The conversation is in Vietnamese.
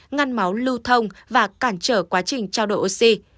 ngăn máu lưu thông và cản trở quá trình trao đổi oxy